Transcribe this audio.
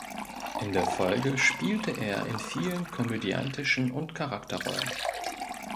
In der Folge spielte er in vielen komödiantischen und Charakterrollen.